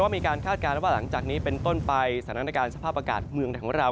มีการคาดการณ์ว่าหลังจากนี้เป็นต้นไปสถานการณ์สภาพอากาศเมืองไทยของเรา